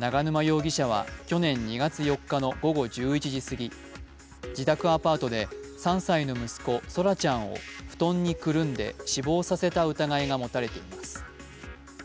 永沼容疑者は去年２月４日の午後１１時過ぎ、自宅アパートで、３歳の息子・奏良ちゃんを布団にくるんで死亡させた疑いが持たれています。